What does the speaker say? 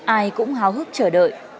ai cũng háo hức chờ đợi